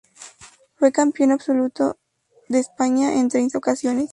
Fue campeón absoluto de España en treinta ocasiones.